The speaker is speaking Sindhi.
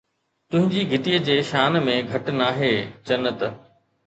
تنهنجي گهٽيءَ جي شان ۾ گهٽ ناهي، جنت